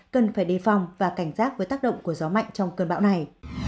cần phải đề phòng và cảnh giác với tác động của gió mạnh trong cơn bão này